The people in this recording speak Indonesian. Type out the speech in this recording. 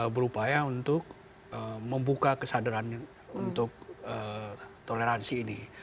berupaya untuk membuka kesadaran untuk toleransi ini